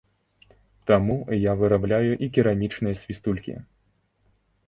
Таму я вырабляю і керамічныя свістулькі.